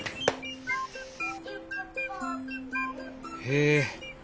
へえ。